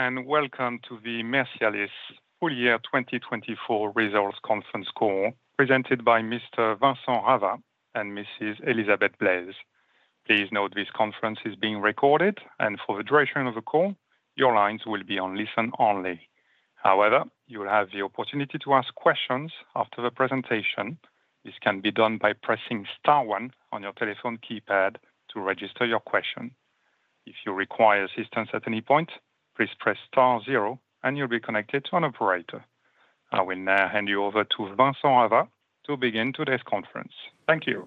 Hello, and welcome to the Mercialys Full Year 2024 Results Conference Call, presented by Mr. Vincent Ravat and Mrs. Elizabeth Blaise. Please note this conference is being recorded, and for the duration of the call, your lines will be on listen only. However, you will have the opportunity to ask questions after the presentation. This can be done by pressing star one on your telephone keypad to register your question. If you require assistance at any point, please press star zero, and you'll be connected to an operator. I will now hand you over to Vincent Ravat to begin today's conference. Thank you.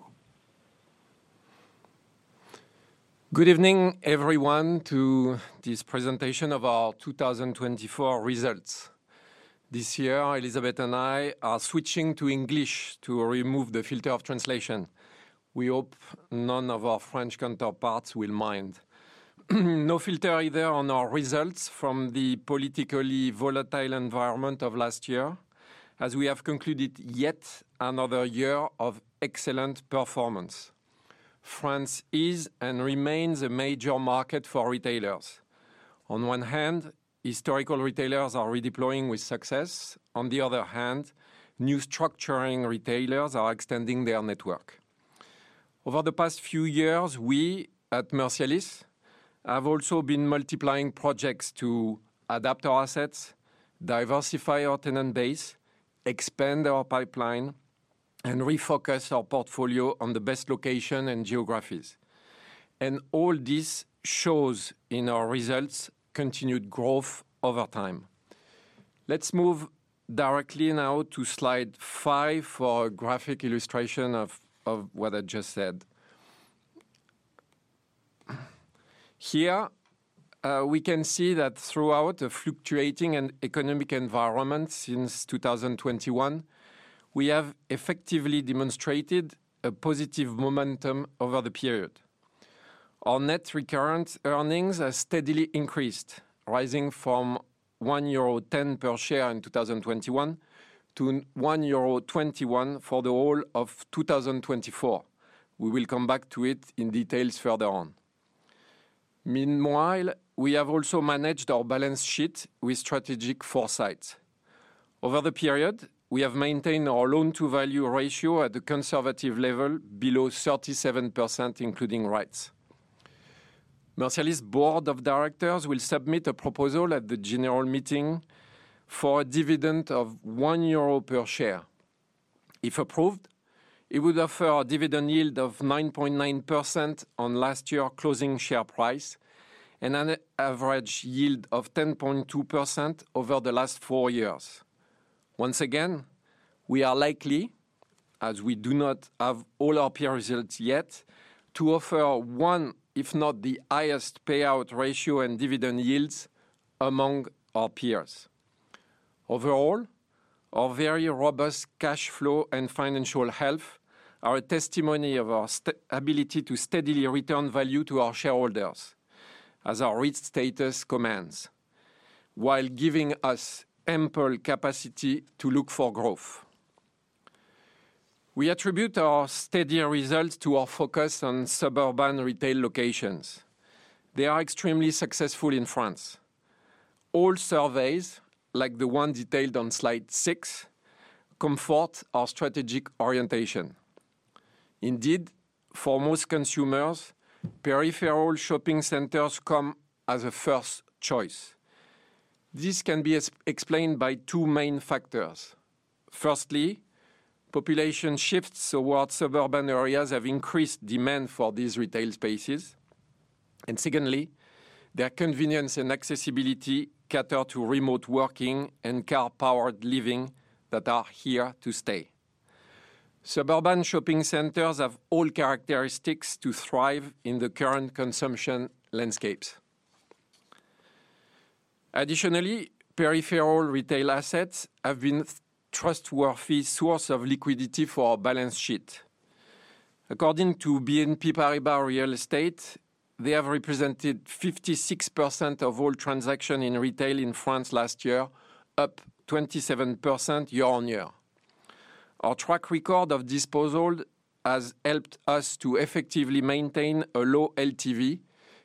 Good evening, everyone, to this presentation of our 2024 results. This year, Elizabeth and I are switching to English to remove the filter of translation. We hope none of our French counterparts will mind. No filter either on our results from the politically volatile environment of last year, as we have concluded yet another year of excellent performance. France is and remains a major market for retailers. On one hand, historical retailers are redeploying with success. On the other hand, new structuring retailers are extending their network. Over the past few years, we at Mercialys have also been multiplying projects to adapt our assets, diversify our tenant base, expand our pipeline, and refocus our portfolio on the best location and geographies. All this shows in our results continued growth over time. Let's move directly now to slide five for a graphic illustration of what I just said. Here, we can see that throughout a fluctuating and economic environment since 2021, we have effectively demonstrated a positive momentum over the period. Our net recurrent earnings have steadily increased, rising from 1.10 euro per share in 2021 to 1.21 euro for the whole of 2024. We will come back to it in detail further on. Meanwhile, we have also managed our balance sheet with strategic foresight. Over the period, we have maintained our loan-to-value ratio at a conservative level below 37%, including rights. Mercialys Board of Directors will submit a proposal at the General Meeting for a dividend of 1 euro per share. If approved, it would offer a dividend yield of 9.9% on last year's closing share price and an average yield of 10.2% over the last four years. Once again, we are likely, as we do not have all our peer results yet, to offer one, if not the highest payout ratio and dividend yields among our peers. Overall, our very robust cash flow and financial health are a testimony of our ability to steadily return value to our shareholders, as our rich status commands, while giving us ample capacity to look for growth. We attribute our steady results to our focus on suburban retail locations. They are extremely successful in France. All surveys, like the one detailed on slide six, confirm our strategic orientation. Indeed, for most consumers, peripheral shopping centers come as a first choice. This can be explained by two main factors. Firstly, population shifts towards suburban areas have increased demand for these retail spaces, and secondly, their convenience and accessibility cater to remote working and car-powered living that are here to stay. Suburban shopping centers have all characteristics to thrive in the current consumption landscapes. Additionally, peripheral retail assets have been a trustworthy source of liquidity for our balance sheet. According to BNP Paribas Real Estate, they have represented 56% of all transactions in retail in France last year, up 27% year on year. Our track record of disposal has helped us to effectively maintain a low LTV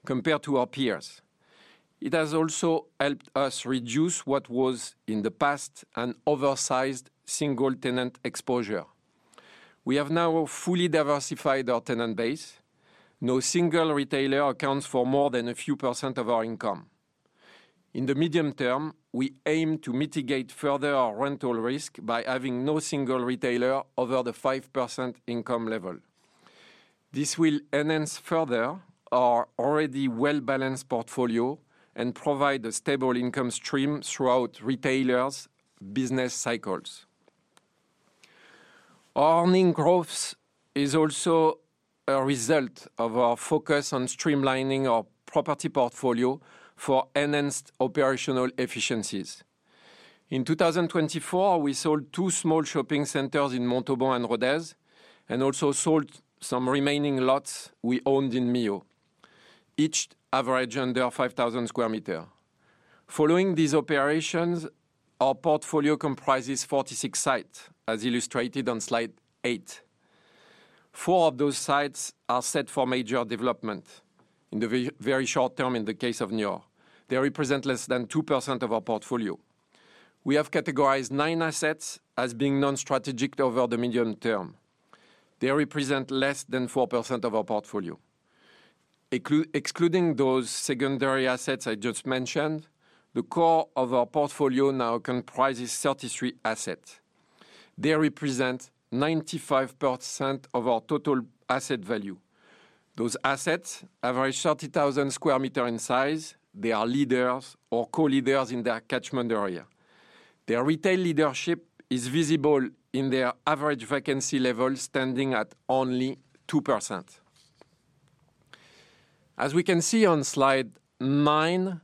compared to our peers. It has also helped us reduce what was, in the past, an oversized single-tenant exposure. We have now fully diversified our tenant base. No single retailer accounts for more than a few percent of our income. In the medium term, we aim to mitigate further our rental risk by having no single retailer over the 5% income level. This will enhance further our already well-balanced portfolio and provide a stable income stream throughout retailers' business cycles. Our earnings growth is also a result of our focus on streamlining our property portfolio for enhanced operational efficiencies. In 2024, we sold two small shopping centers in Montauban and Rodez, and also sold some remaining lots we owned in Millau, each averaging under 5,000 sq m. Following these operations, our portfolio comprises 46 sites, as illustrated on slide eight. Four of those sites are set for major development in the very short term in the case of Niort. They represent less than 2% of our portfolio. We have categorized nine assets as being non-strategic over the medium term. They represent less than 4% of our portfolio. Excluding those secondary assets I just mentioned, the core of our portfolio now comprises 33 assets. They represent 95% of our total asset value. Those assets average 30,000 sq m in size. They are leaders or co-leaders in their catchment area. Their retail leadership is visible in their average vacancy level standing at only 2%. As we can see on slide nine,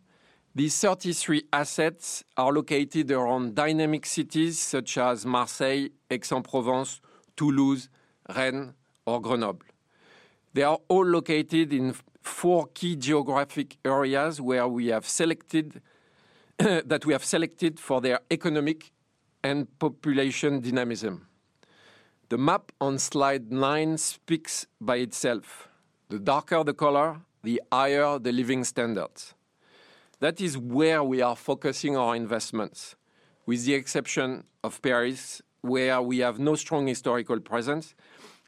these 33 assets are located around dynamic cities such as Marseille, Aix-en-Provence, Toulouse, Rennes, or Grenoble. They are all located in four key geographic areas that we have selected for their economic and population dynamism. The map on slide nine speaks by itself. The darker the color, the higher the living standards. That is where we are focusing our investments, with the exception of Paris, where we have no strong historical presence,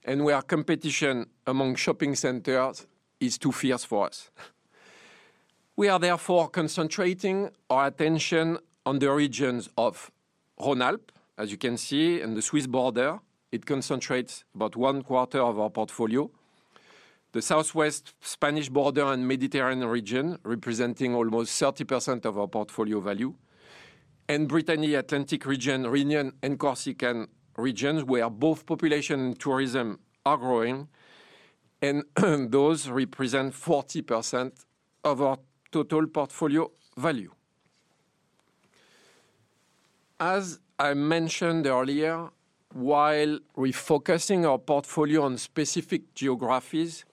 and where competition among shopping centers is too fierce for us. We are therefore concentrating our attention on the regions of Rhône-Alpes, as you can see, and the Swiss border. It concentrates about one quarter of our portfolio. The southwest Spanish border and Mediterranean region, representing almost 30% of our portfolio value, and the Brittany-Atlantic region, Réunion and Corsican regions, where both population and tourism are growing, and those represent 40% of our total portfolio value. As I mentioned earlier, while refocusing our portfolio on specific geographies,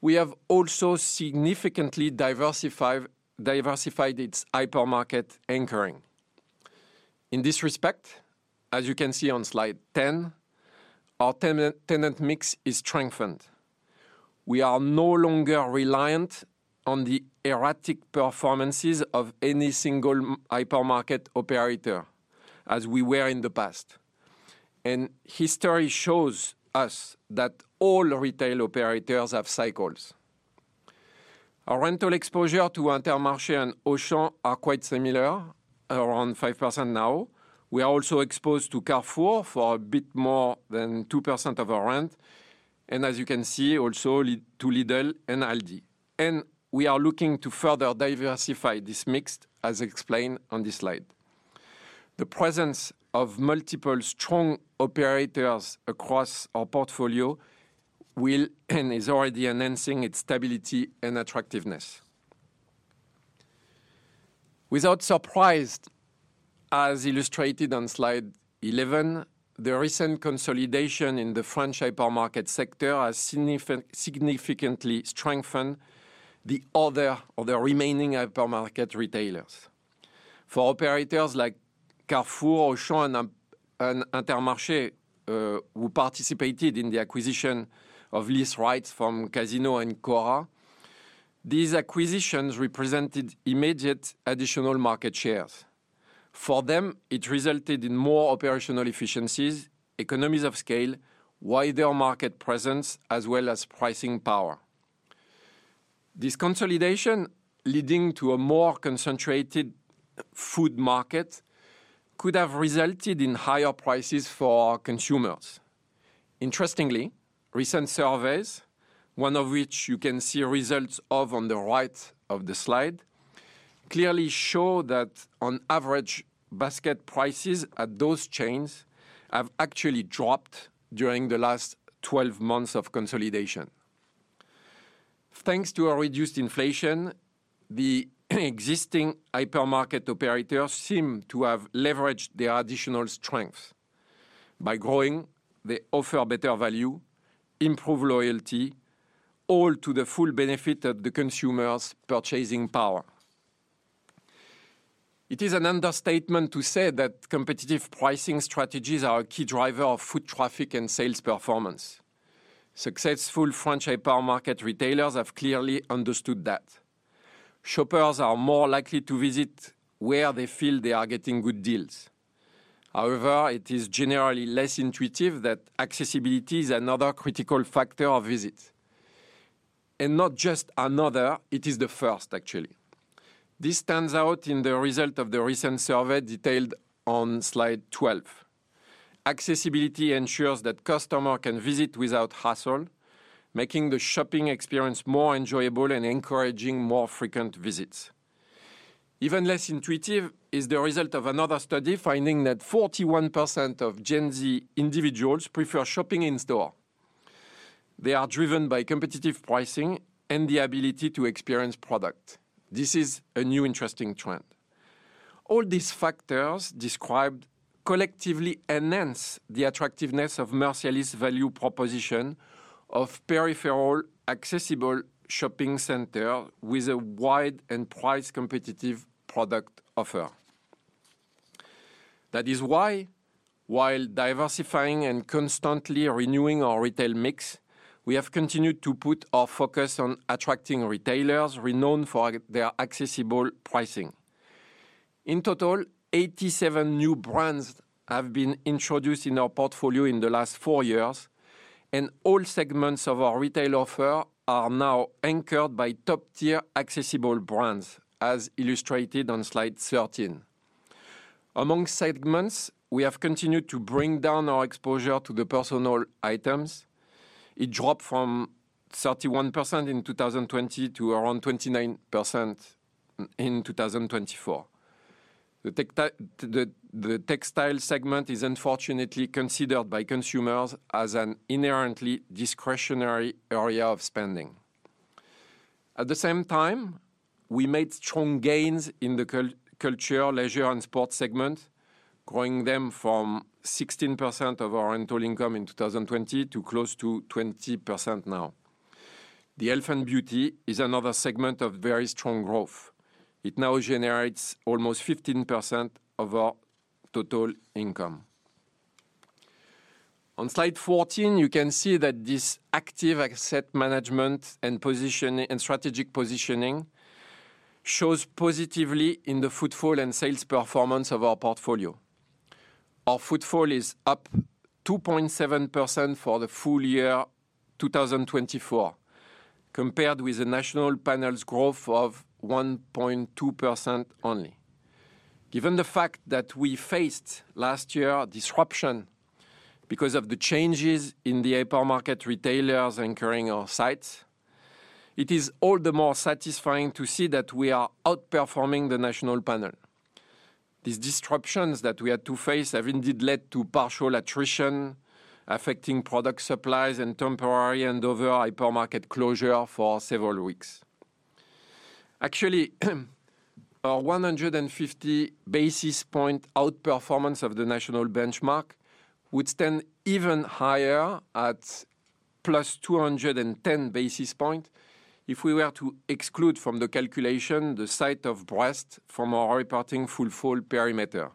we have also significantly diversified its hypermarket anchoring. In this respect, as you can see on slide 10, our tenant mix is strengthened. We are no longer reliant on the erratic performances of any single hypermarket operator, as we were in the past, and history shows us that all retail operators have cycles. Our rental exposure to Intermarché and Auchan is quite similar, around 5% now. We are also exposed to Carrefour for a bit more than 2% of our rent, and as you can see, also to Lidl and Aldi. And we are looking to further diversify this mix, as explained on this slide. The presence of multiple strong operators across our portfolio will and is already enhancing its stability and attractiveness. Without surprise, as illustrated on slide eleven, the recent consolidation in the French hypermarket sector has significantly strengthened the order of the remaining hypermarket retailers. For operators like Carrefour, Auchan, and Intermarché, who participated in the acquisition of lease rights from Casino and Cora, these acquisitions represented immediate additional market shares. For them, it resulted in more operational efficiencies, economies of scale, wider market presence, as well as pricing power. This consolidation, leading to a more concentrated food market, could have resulted in higher prices for consumers. Interestingly, recent surveys, one of which you can see results of on the right of the slide, clearly show that on average, basket prices at those chains have actually dropped during the last 12 months of consolidation. Thanks to a reduced inflation, the existing hypermarket operators seem to have leveraged their additional strengths. By growing, they offer better value, improve loyalty, all to the full benefit of the consumer's purchasing power. It is an understatement to say that competitive pricing strategies are a key driver of foot traffic and sales performance. Successful French hypermarket retailers have clearly understood that. Shoppers are more likely to visit where they feel they are getting good deals. However, it is generally less intuitive that accessibility is another critical factor of visit, and not just another, it is the first, actually. This stands out in the result of the recent survey detailed on slide 12. Accessibility ensures that customers can visit without hassle, making the shopping experience more enjoyable and encouraging more frequent visits. Even less intuitive is the result of another study finding that 41% of Gen Z individuals prefer shopping in store. They are driven by competitive pricing and the ability to experience product. This is a new interesting trend. All these factors described collectively enhance the attractiveness of Mercialys' value proposition of peripheral accessible shopping centers with a wide and price-competitive product offer. That is why, while diversifying and constantly renewing our retail mix, we have continued to put our focus on attracting retailers renowned for their accessible pricing. In total, 87 new brands have been introduced in our portfolio in the last four years, and all segments of our retail offer are now anchored by top-tier accessible brands, as illustrated on slide 13. Among segments, we have continued to bring down our exposure to the personal items. It dropped from 31% in 2020 to around 29% in 2024. The textile segment is unfortunately considered by consumers as an inherently discretionary area of spending. At the same time, we made strong gains in the culture, leisure, and sports segments, growing them from 16% of our rental income in 2020 to close to 20% now. The health and beauty is another segment of very strong growth. It now generates almost 15% of our total income. On slide 14, you can see that this active asset management and strategic positioning shows positively in the footfall and sales performance of our portfolio. Our footfall is up 2.7% for the full year 2024, compared with the national panel's growth of 1.2% only. Given the fact that we faced last year disruption because of the changes in the hypermarket retailers anchoring our sites, it is all the more satisfying to see that we are outperforming the national panel. These disruptions that we had to face have indeed led to partial attrition, affecting product supplies and temporary and overall hypermarket closure for several weeks. Actually, our 150 basis point outperformance of the national benchmark would stand even higher at plus 210 basis points if we were to exclude from the calculation the site of Brest from our reporting footfall perimeter.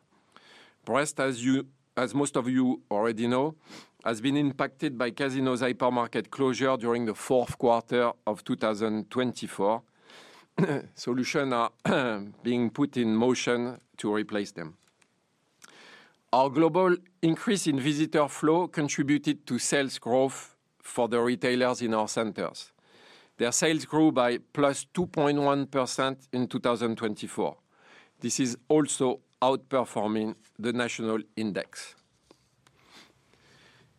Brest, as most of you already know, has been impacted by Casino's hypermarket closure during the fourth quarter of 2024. Solutions are being put in motion to replace them. Our global increase in visitor flow contributed to sales growth for the retailers in our centers. Their sales grew by plus 2.1% in 2024. This is also outperforming the national index.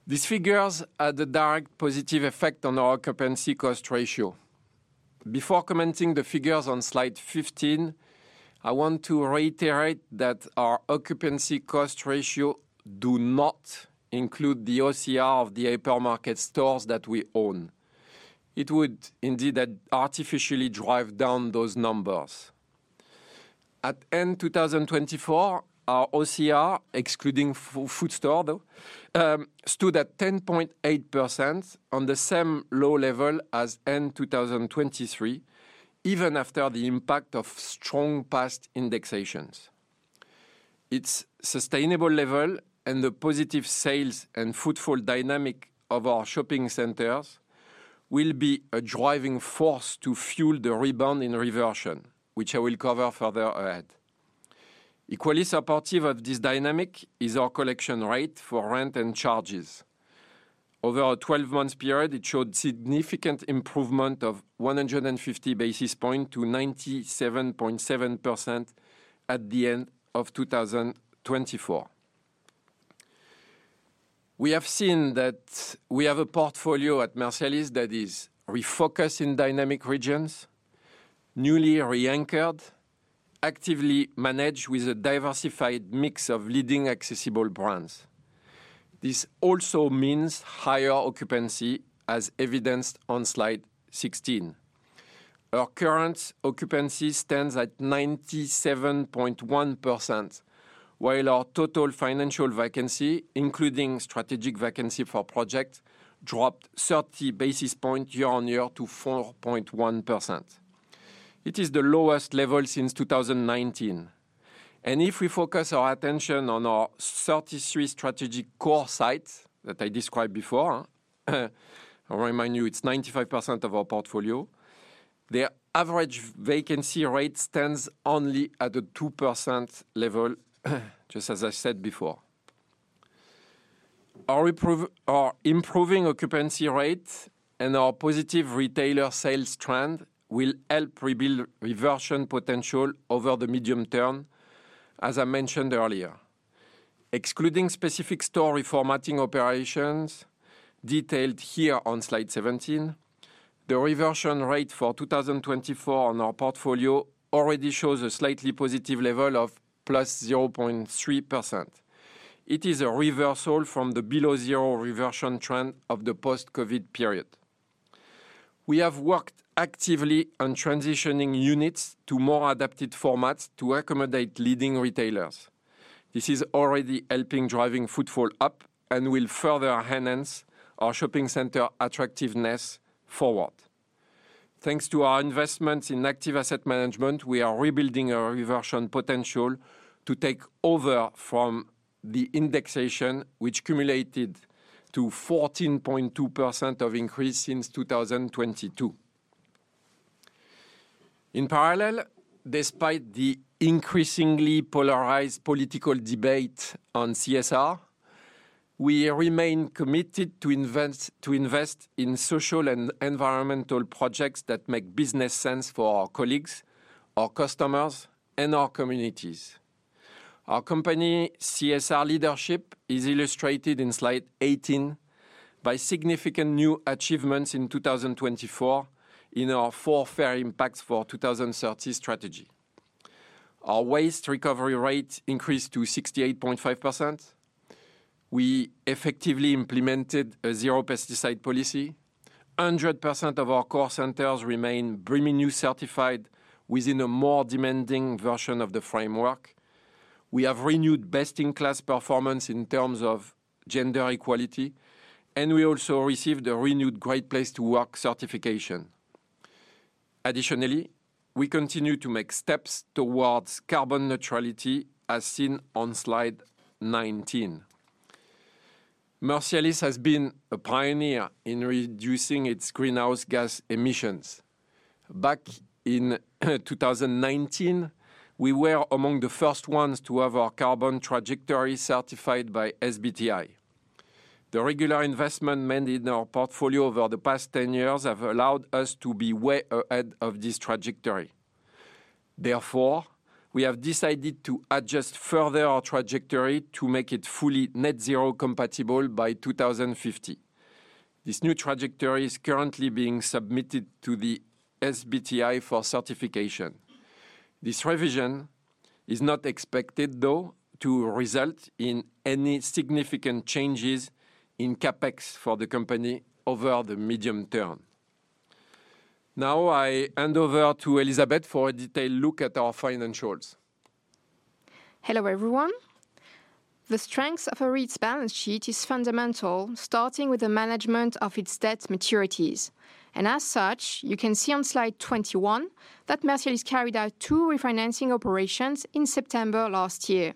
These figures had a direct positive effect on our occupancy cost ratio. Before commenting on the figures on slide 15, I want to reiterate that our occupancy cost ratio does not include the OCR of the hypermarket stores that we own. It would indeed artificially drive down those numbers. At end 2024, our OCR, excluding food stores, stood at 10.8% on the same low level as end 2023, even after the impact of strong past indexations. Its sustainable level and the positive sales and footfall dynamic of our shopping centers will be a driving force to fuel the rebound in reversion, which I will cover further ahead. Equally supportive of this dynamic is our collection rate for rent and charges. Over a 12-month period, it showed significant improvement of 150 basis points to 97.7% at the end of 2024. We have seen that we have a portfolio at Mercialys that is refocused in dynamic regions, newly re-anchored, actively managed with a diversified mix of leading accessible brands. This also means higher occupancy, as evidenced on slide 16. Our current occupancy stands at 97.1%, while our total financial vacancy, including strategic vacancy for projects, dropped 30 basis points year on year to 4.1%. It is the lowest level since 2019. If we focus our attention on our 33 strategic core sites that I described before, I remind you it's 95% of our portfolio, their average vacancy rate stands only at a 2% level, just as I said before. Our improving occupancy rate and our positive retailer sales trend will help rebuild reversion potential over the medium term, as I mentioned earlier. Excluding specific store reformatting operations, detailed here on slide 17, the reversion rate for 2024 on our portfolio already shows a slightly positive level of +0.3%. It is a reversal from the below-zero reversion trend of the post-COVID period. We have worked actively on transitioning units to more adapted formats to accommodate leading retailers. This is already helping drive footfall up and will further enhance our shopping center attractiveness forward. Thanks to our investments in active asset management, we are rebuilding our reversion potential to take over from the indexation, which cumulated to 14.2% of increase since 2022. In parallel, despite the increasingly polarized political debate on CSR, we remain committed to invest in social and environmental projects that make business sense for our colleagues, our customers, and our communities. Our company CSR leadership is illustrated in slide 18 by significant new achievements in 2024 in our four fair impacts for 2030 strategy. Our waste recovery rate increased to 68.5%. We effectively implemented a zero pesticide policy. 100% of our core centers remain BREEAM In-Use certified within a more demanding version of the framework. We have renewed best-in-class performance in terms of gender equality, and we also received a renewed Great Place to Work certification. Additionally, we continue to make steps towards carbon neutrality, as seen on slide 19. Mercialys has been a pioneer in reducing its greenhouse gas emissions. Back in 2019, we were among the first ones to have our carbon trajectory certified by SBTi. The regular investment made in our portfolio over the past 10 years has allowed us to be way ahead of this trajectory. Therefore, we have decided to adjust further our trajectory to make it fully net-zero compatible by 2050. This new trajectory is currently being submitted to the SBTi for certification. This revision is not expected, though, to result in any significant changes in CapEx for the company over the medium term. Now I hand over to Elizabeth for a detailed look at our financials. Hello everyone. The strength of a REIT's balance sheet is fundamental, starting with the management of its debt maturities. And as such, you can see on slide 21 that Mercialys carried out two refinancing operations in September last year.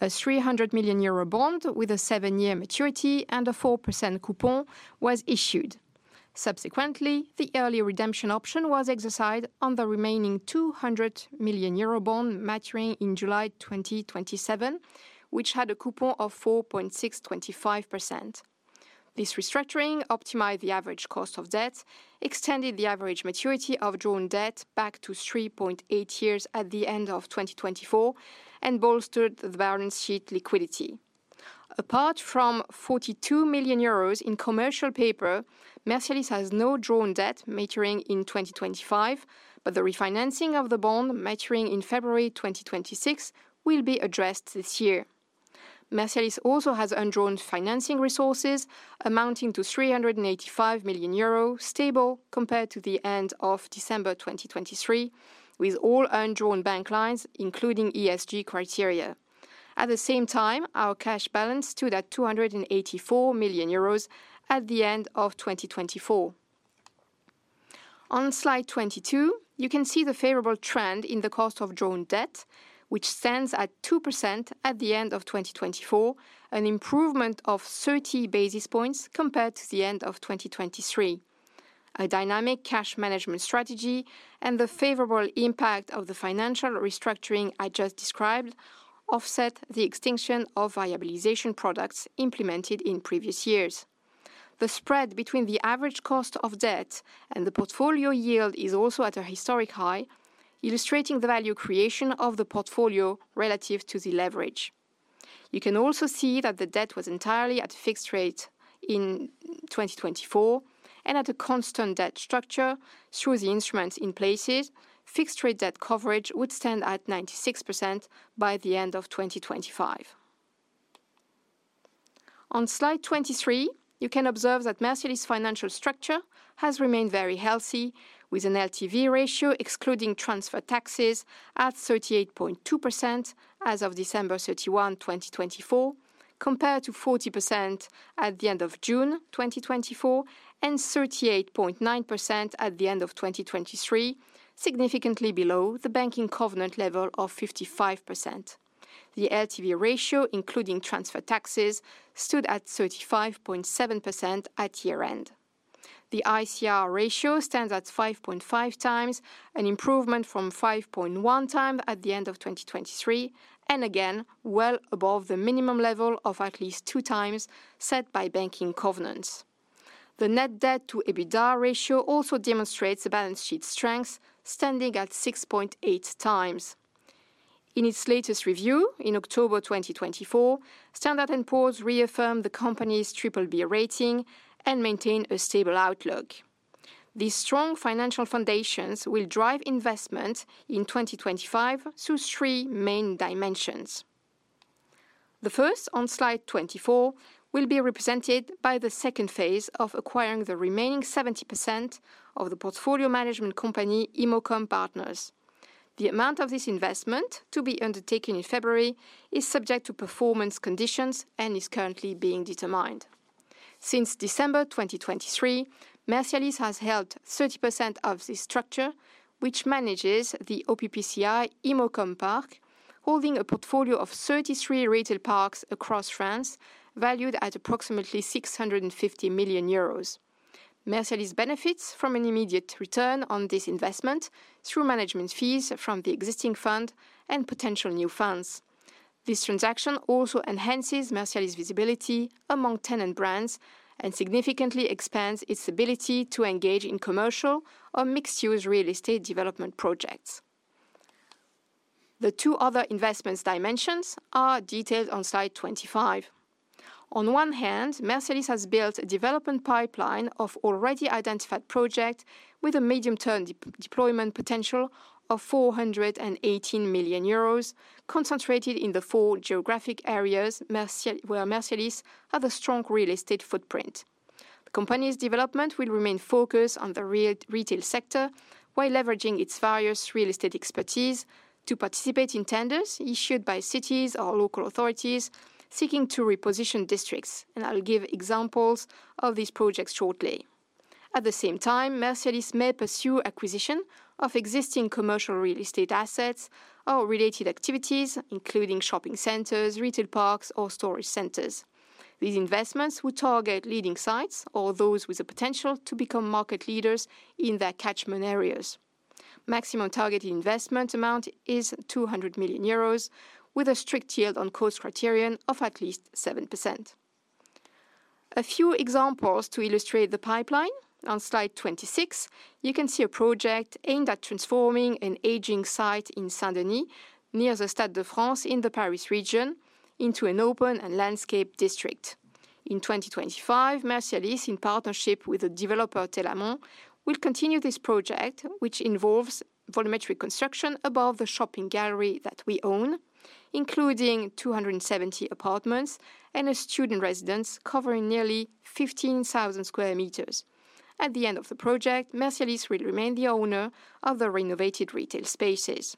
A 300 million euro bond with a seven-year maturity and a 4% coupon was issued. Subsequently, the early redemption option was exercised on the remaining 200 million euro bond maturing in July 2027, which had a coupon of 4.625%. This restructuring optimized the average cost of debt, extended the average maturity of drawn debt back to 3.8 years at the end of 2024, and bolstered the balance sheet liquidity. Apart from 42 million euros in commercial paper, Mercialys has no drawn debt maturing in 2025, but the refinancing of the bond maturing in February 2026 will be addressed this year. Mercialys also has undrawn financing resources amounting to 385 million euros, stable compared to the end of December 2023, with all undrawn bank lines, including ESG criteria. At the same time, our cash balance stood at 284 million euros at the end of 2024. On slide 22, you can see the favorable trend in the cost of drawn debt, which stands at 2% at the end of 2024, an improvement of 30 basis points compared to the end of 2023. A dynamic cash management strategy and the favorable impact of the financial restructuring I just described offset the extinction of variabilization products implemented in previous years. The spread between the average cost of debt and the portfolio yield is also at a historic high, illustrating the value creation of the portfolio relative to the leverage. You can also see that the debt was entirely at a fixed rate in 2024 and at a constant debt structure through the instruments in place. Fixed-rate debt coverage would stand at 96% by the end of 2025. On slide 23, you can observe that Mercialys' financial structure has remained very healthy, with an LTV ratio excluding transfer taxes at 38.2% as of December 31, 2024, compared to 40% at the end of June 2024 and 38.9% at the end of 2023, significantly below the banking covenant level of 55%. The LTV ratio, including transfer taxes, stood at 35.7% at year-end. The ICR ratio stands at 5.5 times, an improvement from 5.1 times at the end of 2023, and again, well above the minimum level of at least two times set by banking covenants. The net debt to EBITDA ratio also demonstrates the balance sheet strength, standing at 6.8 times. In its latest review in October 2024, Standard & Poor's reaffirmed the company's triple B rating and maintained a stable outlook. These strong financial foundations will drive investment in 2025 through three main dimensions. The first, on slide 24, will be represented by the second phase of acquiring the remaining 70% of the portfolio management company, Imocom Partners. The amount of this investment to be undertaken in February is subject to performance conditions and is currently being determined. Since December 2023, Mercialys has held 30% of this structure, which manages the OPPCI Imocom Park, holding a portfolio of 33 retail parks across France, valued at approximately 650 million euros. Mercialys benefits from an immediate return on this investment through management fees from the existing fund and potential new funds. This transaction also enhances Mercialys' visibility among tenant brands and significantly expands its ability to engage in commercial or mixed-use real estate development projects. The two other investment dimensions are detailed on slide 25. On one hand, Mercialys has built a development pipeline of already identified projects with a medium-term deployment potential of 418 million euros, concentrated in the four geographic areas where Mercialys has a strong real estate footprint. The company's development will remain focused on the retail sector while leveraging its various real estate expertise to participate in tenders issued by cities or local authorities seeking to reposition districts. And I'll give examples of these projects shortly. At the same time, Mercialys may pursue acquisition of existing commercial real estate assets or related activities, including shopping centers, retail parks, or storage centers. These investments will target leading sites or those with the potential to become market leaders in their catchment areas. Maximum targeted investment amount is 200 million euros, with a strict yield on cost criterion of at least 7%. A few examples to illustrate the pipeline. On slide 26, you can see a project aimed at transforming an aging site in Saint-Denis, near the Stade de France in the Paris region, into an open and landscaped district. In 2025, Mercialys, in partnership with the developer Telamon, will continue this project, which involves volumetric construction above the shopping gallery that we own, including 270 apartments and a student residence covering nearly 15,000 square meters. At the end of the project, Mercialys will remain the owner of the renovated retail spaces.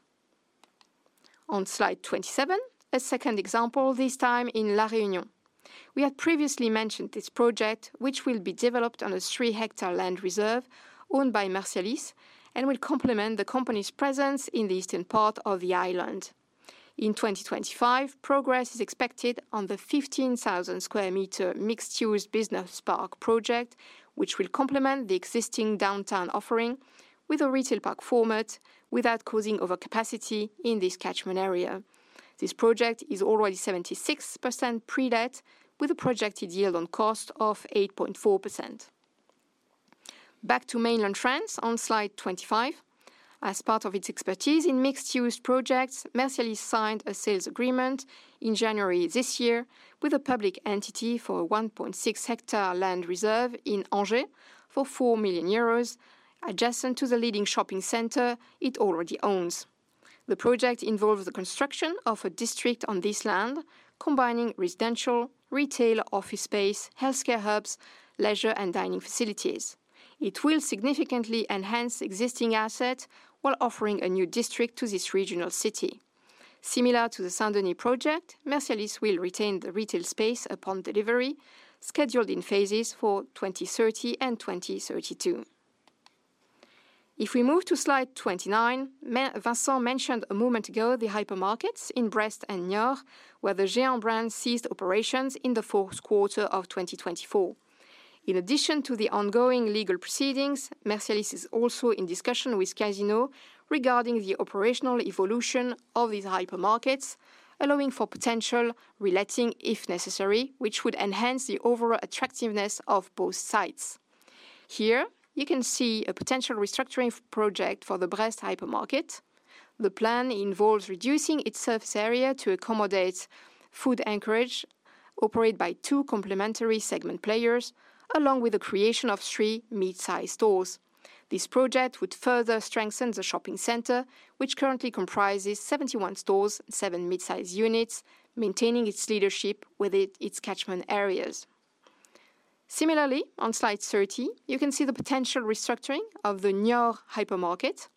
On slide 27, a second example, this time in La Réunion. We had previously mentioned this project, which will be developed on a three-hectare land reserve owned by Mercialys and will complement the company's presence in the eastern part of the island. In 2025, progress is expected on the 15,000 sq m mixed-use business park project, which will complement the existing downtown offering with a retail park format without causing overcapacity in this catchment area. This project is already 76% pre-debt, with a projected yield on cost of 8.4%. Back to mainland France, on slide 25. As part of its expertise in mixed-use projects, Mercialys signed a sales agreement in January this year with a public entity for a 1.6-hectare land reserve in Angers for 4 million euros, adjacent to the leading shopping center it already owns. The project involves the construction of a district on this land, combining residential, retail, office space, healthcare hubs, leisure, and dining facilities. It will significantly enhance existing assets while offering a new district to this regional city. Similar to the Saint-Denis project, Mercialys will retain the retail space upon delivery, scheduled in phases for 2030 and 2032. If we move to slide 29, Vincent mentioned a moment ago the hypermarkets in Brest and Niort, where the Géant brand ceased operations in the fourth quarter of 2024. In addition to the ongoing legal proceedings, Mercialys is also in discussion with Casino regarding the operational evolution of these hypermarkets, allowing for potential reletting, if necessary, which would enhance the overall attractiveness of both sites. Here, you can see a potential restructuring project for the Brest hypermarket. The plan involves reducing its surface area to accommodate food anchor, operated by two complementary segment players, along with the creation of three mid-size stores. This project would further strengthen the shopping center, which currently comprises 71 stores and seven mid-size units, maintaining its leadership within its catchment areas. Similarly, on slide 30, you can see the potential restructuring of the Niort hypermarket.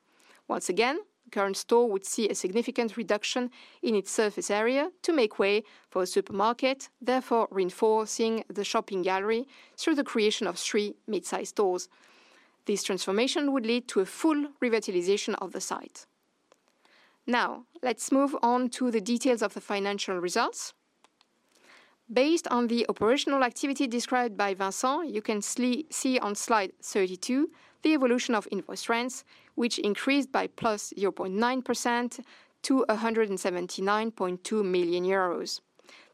Once again, the current store would see a significant reduction in its surface area to make way for a supermarket, therefore reinforcing the shopping gallery through the creation of three mid-size stores. This transformation would lead to a full revitalization of the site. Now, let's move on to the details of the financial results. Based on the operational activity described by Vincent, you can see on slide 32 the evolution of rents, which increased by plus 0.9% to €179.2 million.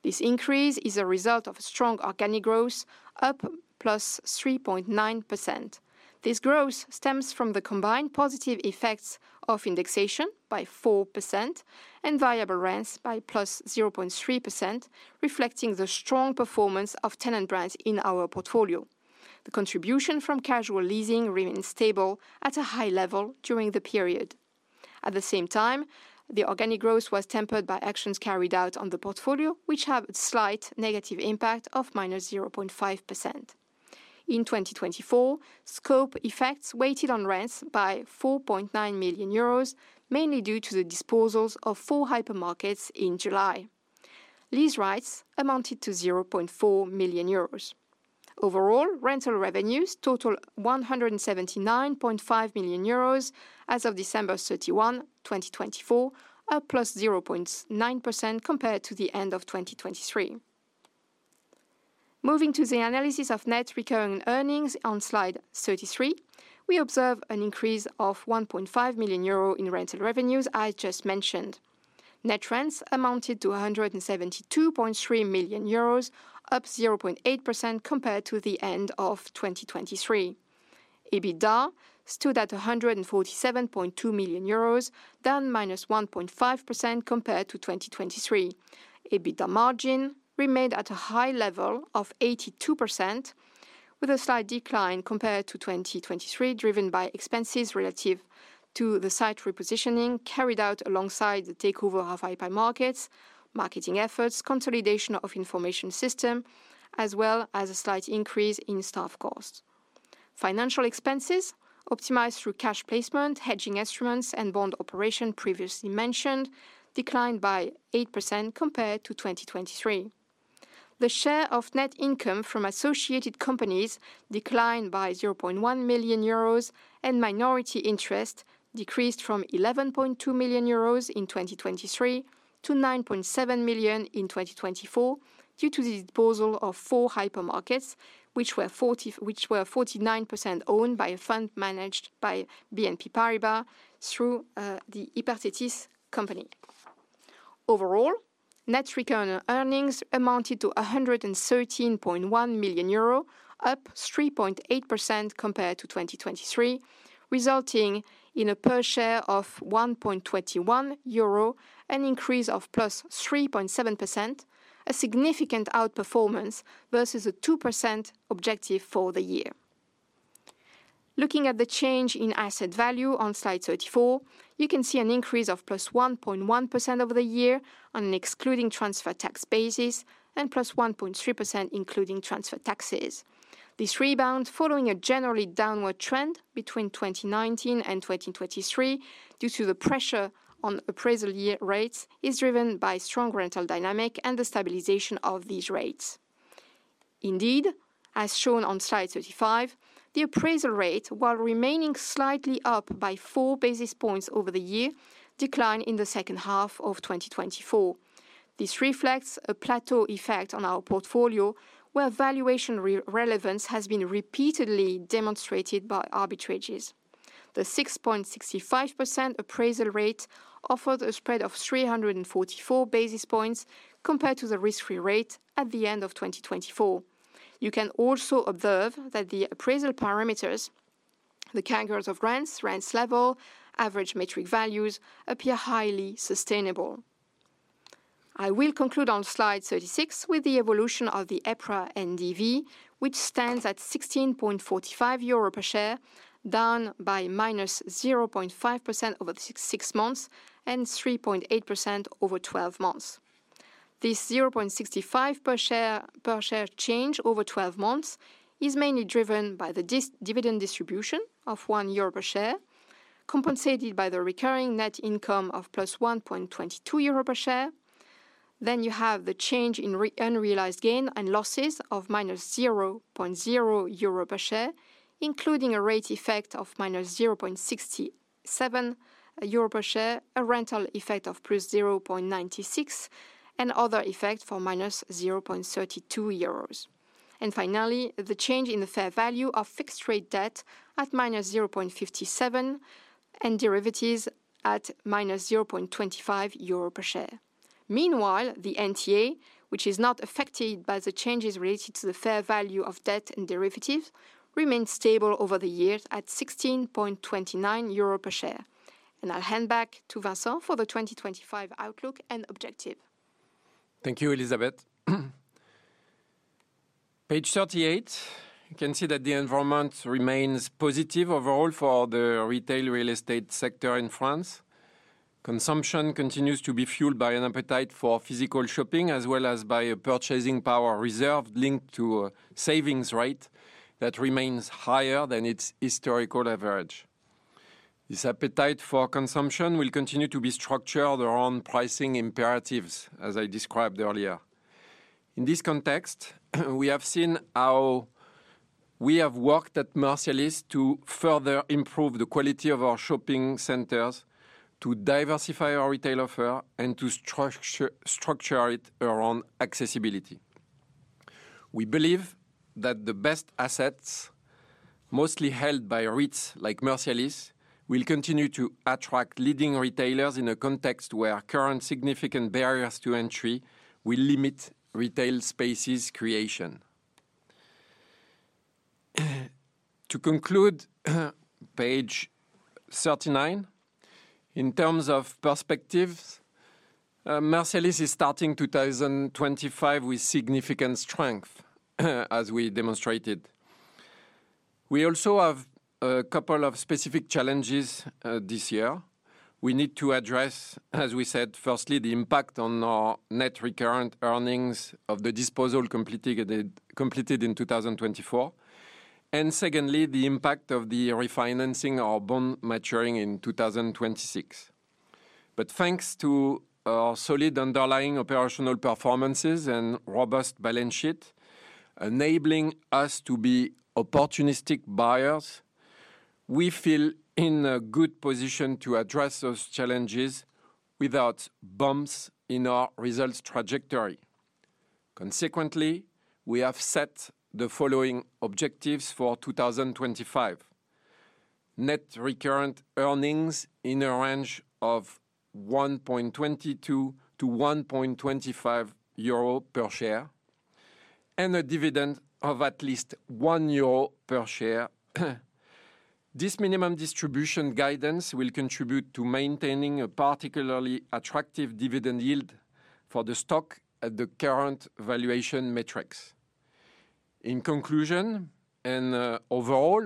This increase is a result of strong organic growth, up plus 3.9%. This growth stems from the combined positive effects of indexation by 4% and variable rents by plus 0.3%, reflecting the strong performance of tenant brands in our portfolio. The contribution from casual leasing remains stable at a high level during the period. At the same time, the organic growth was tempered by actions carried out on the portfolio, which have a slight negative impact of minus 0.5%. In 2024, scope effects weighed on rents by 4.9 million euros, mainly due to the disposals of four hypermarkets in July. These rights amounted to 400,000 euros. Overall, rental revenues total 179.5 million euros as of December 31, 2024, a plus 0.9% compared to the end of 2023. Moving to the analysis of net recurring earnings on slide 33, we observe an increase of 1.5 million euro in rental revenues, as just mentioned. Net rents amounted to 172.3 million euros, up 0.8% compared to the end of 2023. EBITDA stood at 147.2 million euros, down minus 1.5% compared to 2023. EBITDA margin remained at a high level of 82%, with a slight decline compared to 2023, driven by expenses relative to the site repositioning carried out alongside the takeover of hypermarkets, marketing efforts, consolidation of information systems, as well as a slight increase in staff costs. Financial expenses optimized through cash placement, hedging instruments, and bond operations previously mentioned declined by 8% compared to 2023. The share of net income from associated companies declined by €0.1 million and minority interest decreased from 11.2 million euros in 2023 to 9.7 million in 2024 due to the disposal of four hypermarkets, which were 49% owned by a fund managed by BNP Paribas through the Hyperthetis company. Overall, net recurring earnings amounted to 113.1 million euro, up 3.8% compared to 2023, resulting in a per-share of 1.21 euro and an increase of plus 3.7%, a significant outperformance versus a 2% objective for the year. Looking at the change in asset value on slide 34, you can see an increase of plus 1.1% over the year on an excluding transfer tax basis and plus 1.3% including transfer taxes. This rebound, following a generally downward trend between 2019 and 2023 due to the pressure on appraisal year rates, is driven by a strong rental dynamic and the stabilization of these rates. Indeed, as shown on slide 35, the appraisal rate, while remaining slightly up by four basis points over the year, declined in the second half of 2024. This reflects a plateau effect on our portfolio, where valuation relevance has been repeatedly demonstrated by arbitrages. The 6.65% appraisal rate offered a spread of 344 basis points compared to the risk-free rate at the end of 2024. You can also observe that the appraisal parameters, the categories of rents, rents level, average metric values, appear highly sustainable. I will conclude on slide 36 with the evolution of the EPRA NDV, which stands at 16.45 euro per share, down by minus 0.5% over six months and 3.8% over 12 months. This 0.65 per share change over 12 months is mainly driven by the dividend distribution of 1 euro per share, compensated by the recurring net income of plus 1.22 euro per share. Then you have the change in unrealized gain and losses of minus 0.0 euro per share, including a rate effect of minus 0.67 euro per share, a rental effect of plus 0.96, and other effects for minus 0.32 euros. And finally, the change in the fair value of fixed-rate debt at minus 0.57 and derivatives at minus 0.25 euro per share. Meanwhile, the NTA, which is not affected by the changes related to the fair value of debt and derivatives, remains stable over the years at 16.29 euro per share. And I'll hand back to Vincent for the 2025 outlook and objective. Thank you, Elizabeth. Page 38, you can see that the environment remains positive overall for the retail real estate sector in France. Consumption continues to be fueled by an appetite for physical shopping, as well as by a purchasing power reserve linked to a savings rate that remains higher than its historical average. This appetite for consumption will continue to be structured around pricing imperatives, as I described earlier. In this context, we have seen how we have worked at Mercialys to further improve the quality of our shopping centers, to diversify our retail offer, and to structure it around accessibility. We believe that the best assets, mostly held by REITs like Mercialys, will continue to attract leading retailers in a context where current significant barriers to entry will limit retail spaces creation. To conclude page 39, in terms of perspectives, Mercialys is starting 2025 with significant strength, as we demonstrated. We also have a couple of specific challenges this year. We need to address, as we said, firstly, the impact on our net recurrent earnings of the disposal completed in 2024, and secondly, the impact of the refinancing or bond maturing in 2026. But thanks to our solid underlying operational performances and robust balance sheet, enabling us to be opportunistic buyers, we feel in a good position to address those challenges without bumps in our results trajectory. Consequently, we have set the following objectives for 2025: net recurrent earnings in a range of 1.22-1.25 euro per share, and a dividend of at least 1 euro per share. This minimum distribution guidance will contribute to maintaining a particularly attractive dividend yield for the stock at the current valuation metrics. In conclusion, and overall,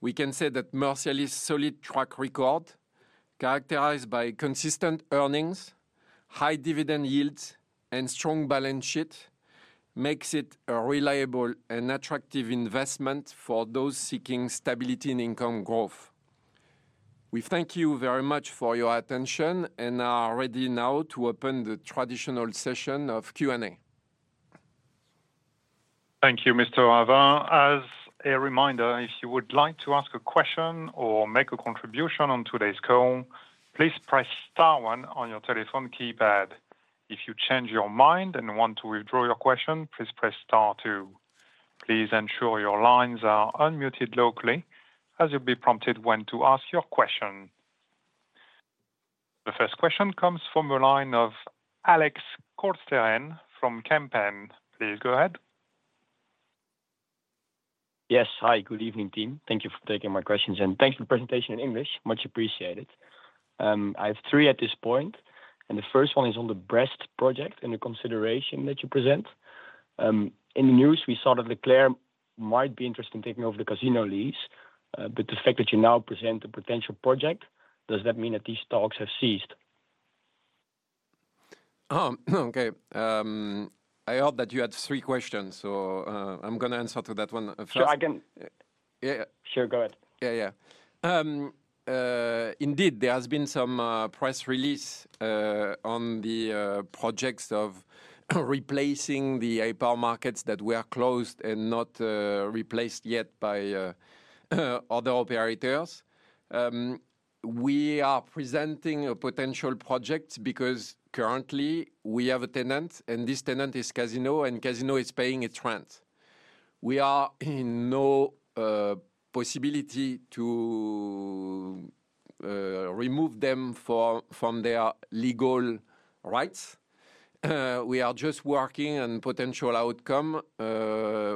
we can say that Mercialys' solid track record, characterized by consistent earnings, high dividend yields, and strong balance sheet, makes it a reliable and attractive investment for those seeking stability in income growth. We thank you very much for your attention and are ready now to open the traditional session of Q&A. Thank you, Mr. Ravat. As a reminder, if you would like to ask a question or make a contribution on today's call, please press star one on your telephone keypad. If you change your mind and want to withdraw your question, please press star two. Please ensure your lines are unmuted locally, as you'll be prompted when to ask your question. The first question comes from the line of Alex Kolsteren from Kempen. Please go ahead. Yes, hi, good evening, team. Thank you for taking my questions, and thanks for the presentation in English. Much appreciated. I have three at this point, and the first one is on the Brest project and the consideration that you present. In the news, we saw that Leclerc might be interested in taking over the casino lease, but the fact that you now present a potential project, does that mean that these talks have ceased? Okay, I heard that you had three questions, so I'm going to answer to that one first. Sure, I can... Yeah, sure, go ahead. Yeah, yeah. Indeed, there has been some press release on the projects of replacing the hypermarkets that were closed and not replaced yet by other operators. We are presenting a potential project because currently we have a tenant, and this tenant is Casino, and Casino is paying its rent. We are in no possibility to remove them from their legal rights. We are just working on a potential outcome,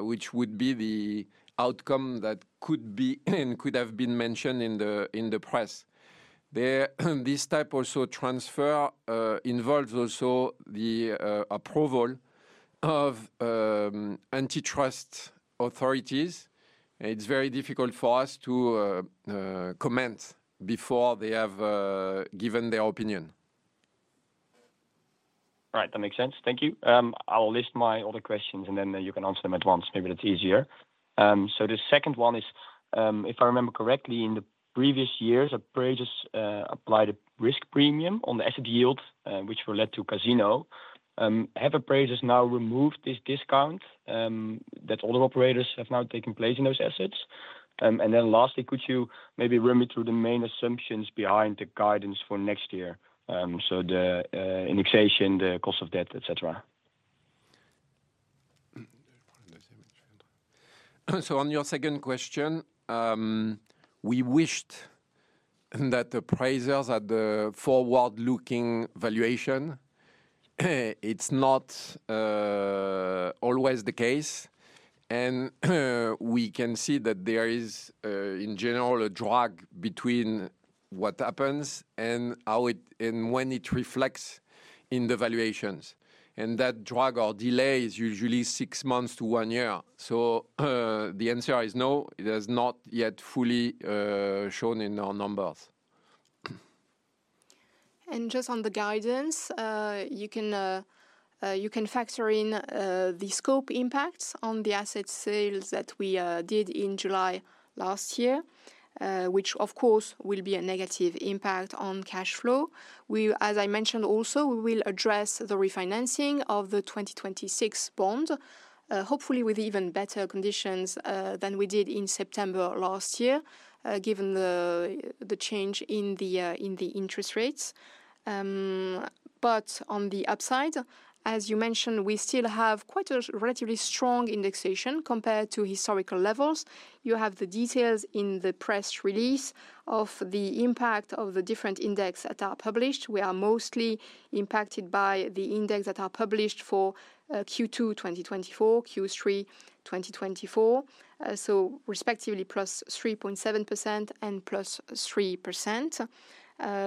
which would be the outcome that could be and could have been mentioned in the press. This type also transfer involves also the approval of antitrust authorities. It's very difficult for us to comment before they have given their opinion. All right, that makes sense. Thank you. I'll list my other questions, and then you can answer them at once. Maybe that's easier, so the second one is, if I remember correctly, in the previous years, appraisers applied a risk premium on the asset yield, which will lead to Casino. Have appraisers now removed this discount that other operators have now taken place in those assets? And then lastly, could you maybe run me through the main assumptions behind the guidance for next year? So the indexation, the cost of debt, etc., so on your second question, we wished that appraisers had the forward-looking valuation. It's not always the case, and we can see that there is, in general, a drag between what happens and when it reflects in the valuations. And that drag or delay is usually six months to one year. So the answer is no. It has not yet fully shown in our numbers. And just on the guidance, you can factor in the scope impacts on the asset sales that we did in July last year, which, of course, will be a negative impact on cash flow. As I mentioned, also, we will address the refinancing of the 2026 bond, hopefully with even better conditions than we did in September last year, given the change in the interest rates. But on the upside, as you mentioned, we still have quite a relatively strong indexation compared to historical levels. You have the details in the press release of the impact of the different index that are published. We are mostly impacted by the index that are published for Q2 2024, Q3 2024, so respectively plus 3.7% and plus 3%.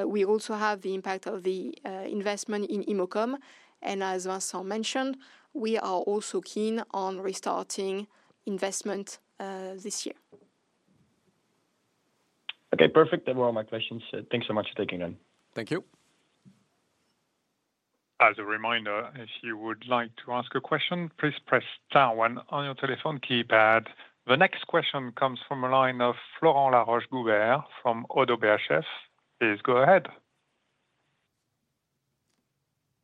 We also have the impact of the investment in Immocom. And as Vincent mentioned, we are also keen on restarting investment this year. Okay, perfect. That were all my questions. Thanks so much for taking them. Thank you. As a reminder, if you would like to ask a question, please press star one on your telephone keypad. The next question comes from a line of Florent Laroche-Joubert from Oddo BHF. Please go ahead.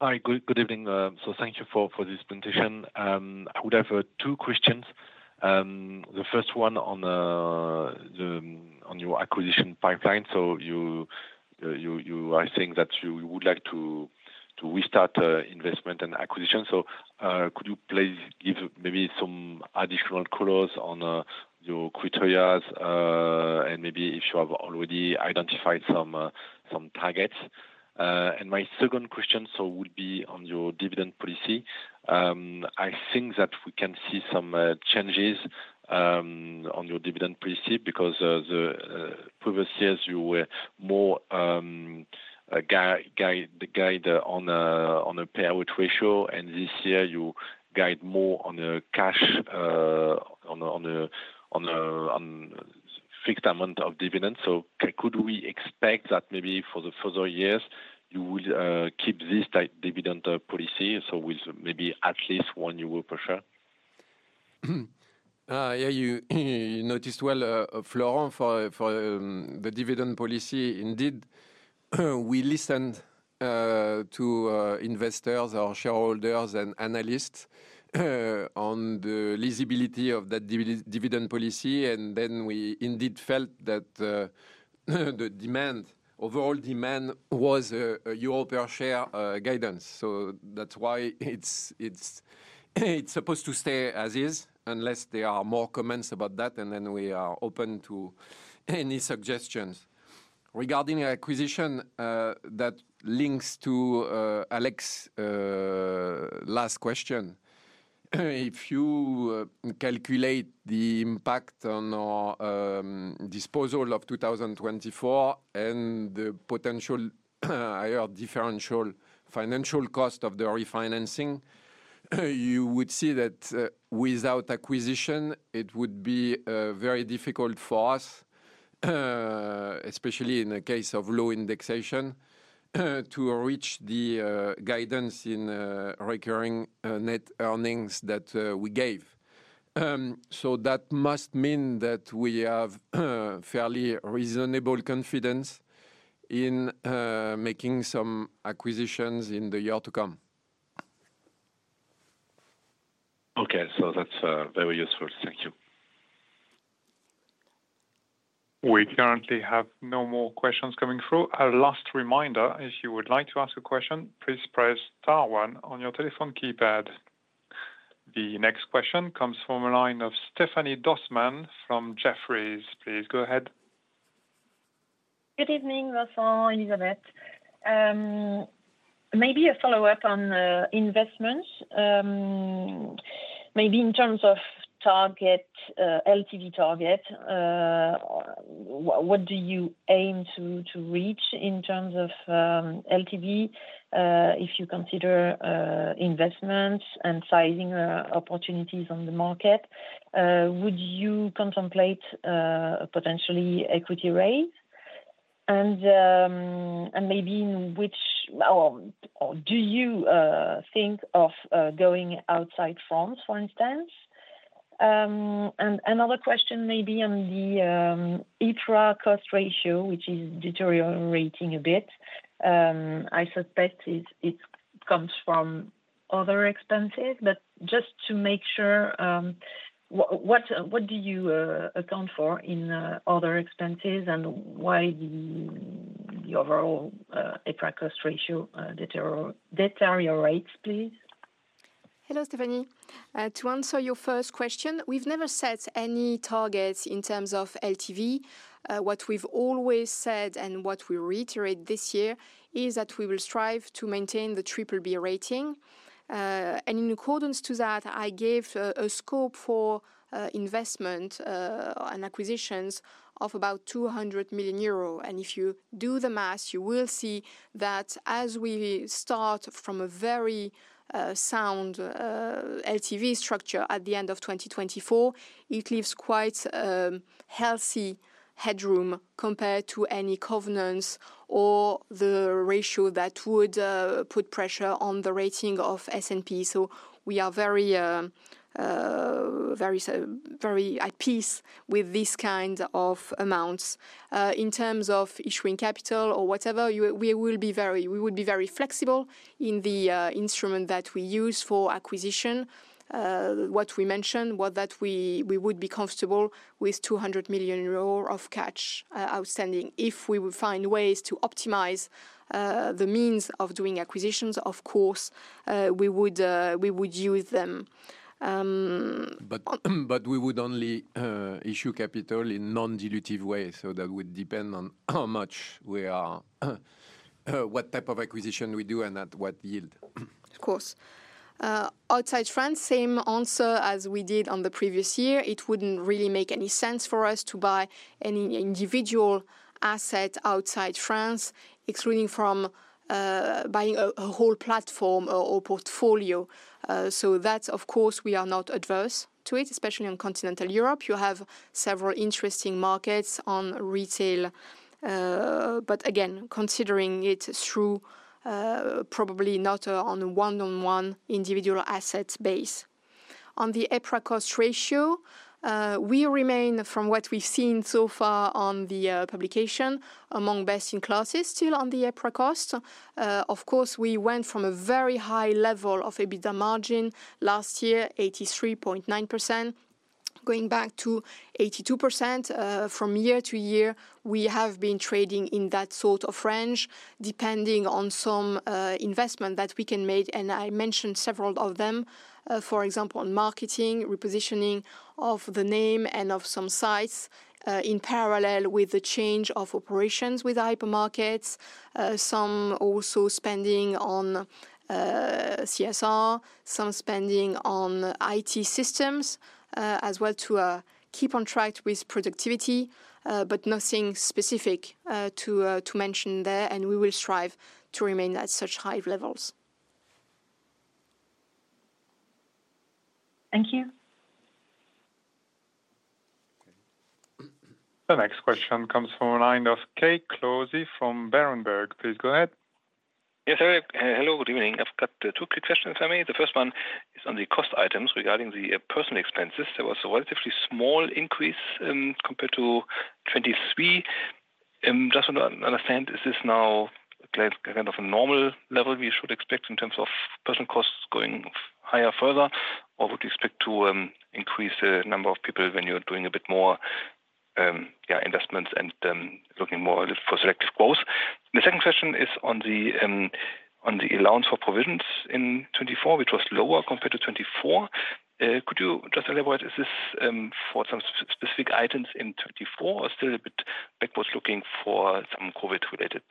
Hi, good evening. So thank you for this presentation. I would have two questions. The first one on your acquisition pipeline. So you are saying that you would like to restart investment and acquisition. So could you please give maybe some additional colors on your criteria and maybe if you have already identified some targets? And my second question would be on your dividend policy. I think that we can see some changes on your dividend policy because previous years, you were more guided on a payout ratio, and this year, you guide more on a cash, on a fixed amount of dividends. So could we expect that maybe for the further years, you will keep this dividend policy with maybe at least 1 euro per share? Yeah, you noticed well, Florent, for the dividend policy. Indeed, we listened to investors or shareholders and analysts on the visibility of that dividend policy, and then we indeed felt that the demand, overall demand, was a EUR 1 per share guidance. So that's why it's supposed to stay as is unless there are more comments about that, and then we are open to any suggestions. Regarding acquisition, that links to Alex's last question. If you calculate the impact on our disposal of 2024 and the potential higher differential financial cost of the refinancing, you would see that without acquisition, it would be very difficult for us, especially in the case of low indexation, to reach the guidance in recurring net earnings that we gave. So that must mean that we have fairly reasonable confidence in making some acquisitions in the year to come. Okay, so that's very useful. Thank you. We currently have no more questions coming through. Our last reminder, if you would like to ask a question, please press star one on your telephone keypad. The next question comes from a line of Stephanie Dossmann from Jefferies. Please go ahead. Good evening, Vincent, Elizabeth. Maybe a follow-up on investments. Maybe in terms of LTV target, what do you aim to reach in terms of LTV if you consider investments and sizing opportunities on the market? Would you contemplate potentially equity raise? And maybe in which, or do you think of going outside France, for instance? And another question maybe on the OCR cost ratio, which is deteriorating a bit. I suspect it comes from other expenses, but just to make sure, what do you account for in other expenses and why the overall OCR cost ratio deteriorates, please? Hello, Stephanie. To answer your first question, we've never set any targets in terms of LTV. What we've always said and what we reiterate this year is that we will strive to maintain the triple B rating. And in accordance to that, I gave a scope for investment and acquisitions of about €200 million. If you do the math, you will see that as we start from a very sound LTV structure at the end of 2024, it leaves quite healthy headroom compared to any covenants or the ratio that would put pressure on the rating of S&P. We are very at peace with these kinds of amounts. In terms of issuing capital or whatever, we will be very flexible in the instrument that we use for acquisition. What we mentioned, that we would be comfortable with € 200 million of cash outstanding. If we would find ways to optimize the means of doing acquisitions, of course, we would use them. But we would only issue capital in non-dilutive ways. That would depend on how much we are, what type of acquisition we do, and at what yield. Of course. Outside France, same answer as we did on the previous year. It wouldn't really make any sense for us to buy any individual asset outside France, excluding from buying a whole platform or portfolio. So that, of course, we are not adverse to it, especially in continental Europe. You have several interesting markets on retail. But again, considering it through probably not on a one-on-one individual asset base. On the EPRA cost ratio, we remain, from what we've seen so far on the publication, among best-in-classes still on the EPRA cost. Of course, we went from a very high level of EBITDA margin last year, 83.9%, going back to 82% from year to year. We have been trading in that sort of range, depending on some investment that we can make. And I mentioned several of them, for example, on marketing, repositioning of the name and of some sites in parallel with the change of operations with hypermarkets, some also spending on CSR, some spending on IT systems as well to keep on track with productivity, but nothing specific to mention there. And we will strive to remain at such high levels. Thank you. The next question comes from a line of Kai Klose from Berenberg. Please go ahead. Yes, hello, good evening. I've got two quick questions from me. The first one is on the cost items regarding the personnel expenses. There was a relatively small increase compared to 2023. Just want to understand, is this now kind of a normal level we should expect in terms of personal costs going higher further, or would you expect to increase the number of people when you're doing a bit more investments and looking more for selective growth? The second question is on the allowance for provisions in 2024, which was lower compared to 2024. Could you just elaborate? Is this for some specific items in 2024 or still a bit backwards looking for some COVID-related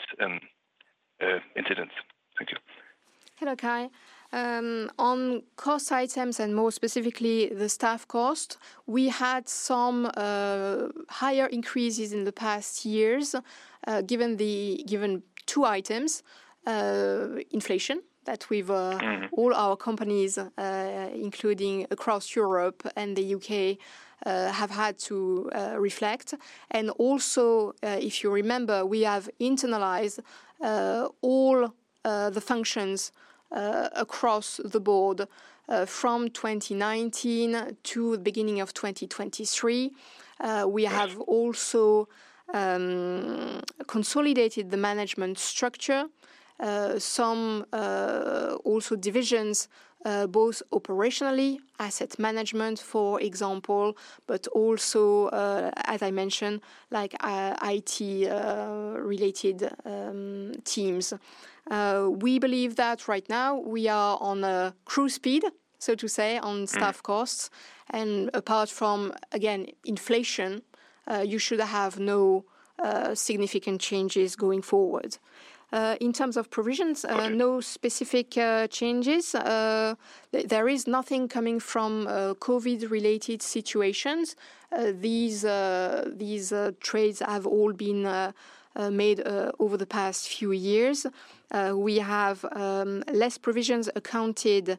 incidents? Thank you. Hello, Kai. On cost items and more specifically the staff cost, we had some higher increases in the past years given two items: inflation that all our companies, including across Europe and the U.K., have had to reflect. And also, if you remember, we have internalized all the functions across the board from 2019 to the beginning of 2023. We have also consolidated the management structure, some also divisions, both operationally, asset management, for example, but also, as I mentioned, IT-related teams. We believe that right now we are on a cruise speed, so to say, on staff costs, and apart from, again, inflation, you should have no significant changes going forward. In terms of provisions, no specific changes. There is nothing coming from COVID-related situations. These trades have all been made over the past few years. We have less provisions accounted,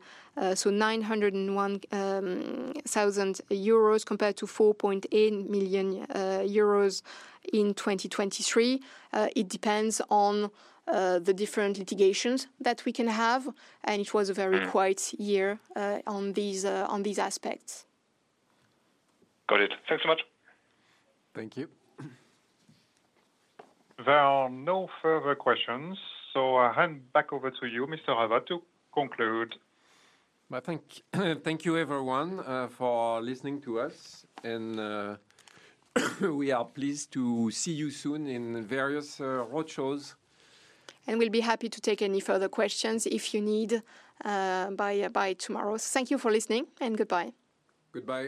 so 901,000 euros compared to 4.8 million euros in 2023. It depends on the different litigations that we can have, and it was a very quiet year on these aspects. Got it. Thanks so much. Thank you. There are no further questions, so I hand back over to you, Mr. Ravat, to conclude. Thank you, everyone, for listening to us. We are pleased to see you soon in various roadshows. We'll be happy to take any further questions if you need by tomorrow. Thank you for listening and goodbye. Goodbye.